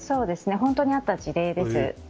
本当にあった事例です。